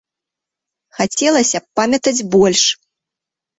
Хацелася б памятаць больш.